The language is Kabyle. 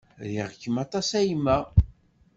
Riɣ-kem aṭas a yemma!